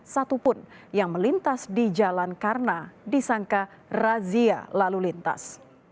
satupun yang melintas di jalan karena disangka razia lalu lintas